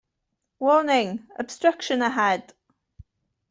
Warning! Obstruction ahead.